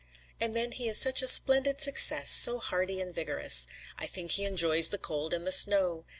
And then he is such a splendid success, so hardy and vigorous. I think he enjoys the cold and the snow.